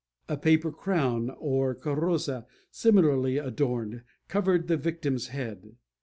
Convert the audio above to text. A paper crown, or carroza, similarly adorned, covered the victim's head.